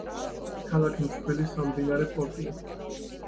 ქალაქი მსხვილი სამდინარე პორტია.